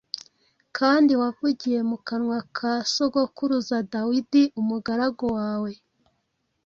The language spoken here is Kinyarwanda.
kandi wavugiye mu kanwa ka sogokuruza Dawidi, umugaragu wawe,